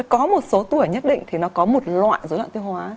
có một số tuổi nhất định thì nó có một loại dối loạn tiêu hóa